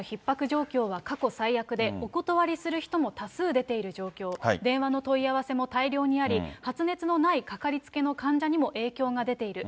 状況は過去最悪で、お断りする人も多数出ている状況、電話の問い合わせも大量にあり、発熱のないかかりつけの患者にも影響が出ている。